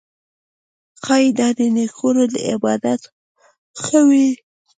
ښايي دا د نیکونو د عبادت نښه وي